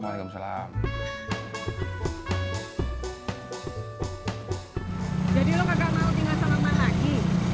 jadi lo kagak mau tinggal sama mama lagi